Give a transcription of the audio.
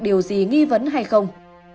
điều gì nghi vấn hay không